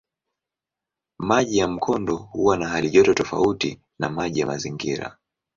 Maji ya mkondo huwa na halijoto tofauti na maji ya mazingira.